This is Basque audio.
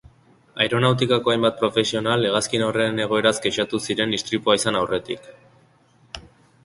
Aeronautikako hainbat profesional hegazkin horren egoeraz kexatu ziren istripua izan aurretik.